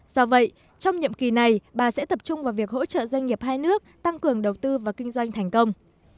do vậy trong nhiệm kỳ này bà sẽ tập trung vào việc hỗ trợ doanh nghiệp hai nước tăng cường đầu tư và kinh doanh thành công